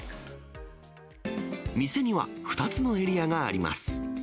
店には２つのエリアがあります。